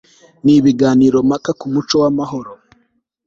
n ibiganirompaka ku muco w amahoro